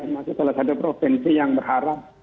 masuk salah satu provinsi yang berharap